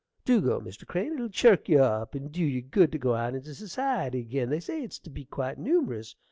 Do go, Mr. Crane: it'll chirk you up and dew you good to go out into society ag'in. They say it's to be quite numerous.